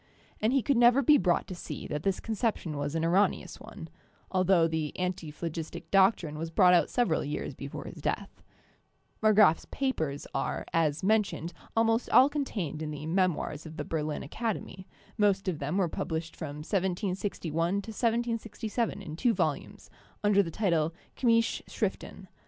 And he could never be brought to see that this conception was an erroneous one, altho the anti phlogistic doctrine was brought out several years before his death. Marggrafs papers are, as mentioned, almost all contained in the 'Memoirs' of the Berlin Acad emy; most of them were published from 1761 1767 in two v volumes, under the title 'Chymische Schriften.'